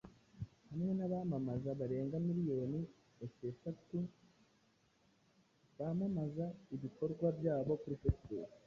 hamwe nabamamaza barenga miriyoni ehehatu bamamaza ibikorwa byabo kuri Facebook